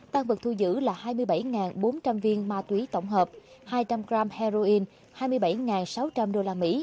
tăng vật thu giữ là hai mươi bảy bốn trăm linh viên ma túy tổng hợp hai trăm linh g heroin hai mươi bảy sáu trăm linh usd